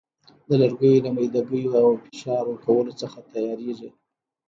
د لرګیو له میده ګیو او فشار ورکولو څخه تیاریږي.